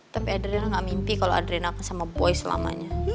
tapi adriana gak mimpi kalau adriana akan sama boy selamanya